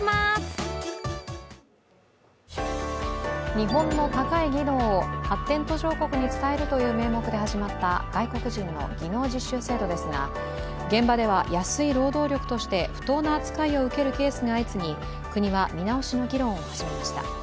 日本の高い技能を発展途上国に伝えるという名目で始まった外国人の技能実習制度ですが、現場では安い労働力として不当な扱いを受けるケースが相次ぎ、国は見直しの議論を始めました。